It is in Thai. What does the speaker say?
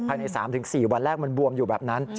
ภายใน๓๔วันแรกมันบวมอยู่แบบนั้น